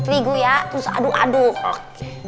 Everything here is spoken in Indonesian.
terigu ya terus aduk aduk